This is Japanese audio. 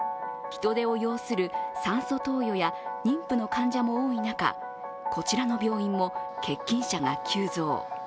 人出を要する、酸素投与や妊婦の患者も多い中こちらの病院も欠勤者が急増。